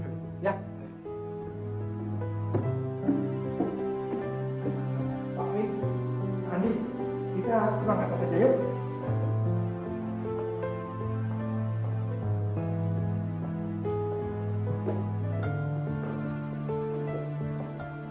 kamu tuh gak usah minta maaf sama aku lah